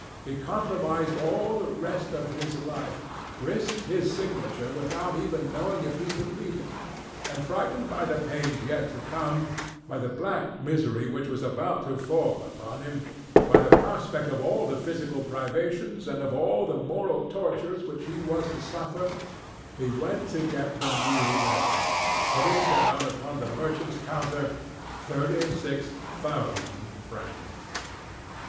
He compromised all the rest of his life, risked his signature without even knowing if he could meet it; and, frightened by the pains yet to come, by the black misery which was about to fall upon him, by the prospect of all the physical privations and of all the moral tortures which he was to suffer, he went to get the new necklace, putting down upon the merchant's counter thirty six thousand francs.